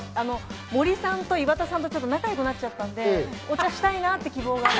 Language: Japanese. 森さんと岩田さんと仲良くなっちゃったので、お茶したいなって希望が。